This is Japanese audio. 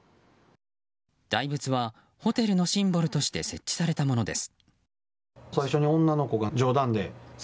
大仏は、ホテルのシンボルとして設置されたものです。